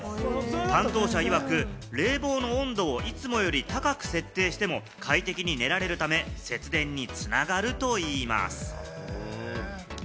担当者いわく、冷房の温度をいつもより高く設定しても快適に寝られるため、節電に繋がるといいます。